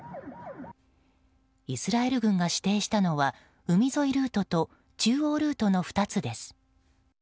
イスラエル軍が指定したのは海沿いルートと中央ルートの２つです。